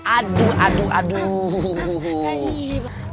aduh aduh aduh